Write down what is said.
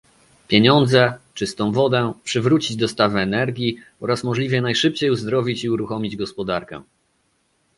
pieniądze, czystą wodę, przywrócić dostawy energii oraz możliwie najszybciej uzdrowić i uruchomić gospodarkę